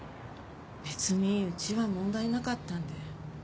別にうちは問題なかったんで。